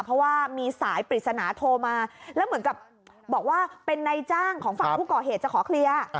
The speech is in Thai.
เพราะว่ามีสายปริศนาโทรมาแล้วเหมือนกับบอกว่าเป็นนายจ้างของฝั่งผู้ก่อเหตุจะขอเคลียร์